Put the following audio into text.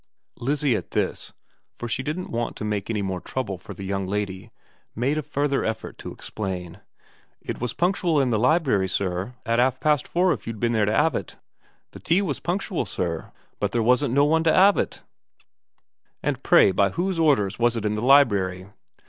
Lizzie at this for she didn't want to make any more trouble for the young lady made a further effort to explain. ' It was punctual in the library, sir, at 'alf past four if you'd been there to 'ave it. The tea was punctual, sir, but there wasn't no one to 'ave it.' 254 VERA xim ' And pray by whose orders was it in the library